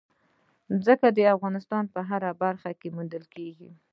ځمکه د افغانستان په هره برخه کې موندل کېږي.